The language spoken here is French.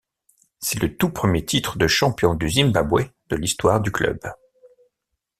C'est le tout premier titre de champion du Zimbabwe de l'histoire du club.